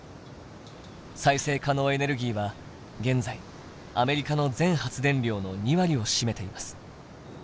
再生可能エネルギーは現在アメリカの全発電量の２割を占めています。